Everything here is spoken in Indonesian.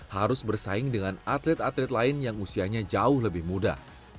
harus bersaing dengan atlet atlet lain yang usianya jauh lebih muda